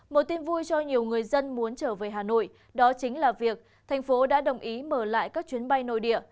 một tin vui cho nhiều người dân muốn trở về hà nội đó chính là việc thành phố đã đồng ý mở lại các chuyến bay nội địa